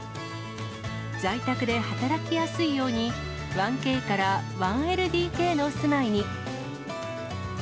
在宅で働きやすいように、１Ｋから１ＬＤＫの住まいに。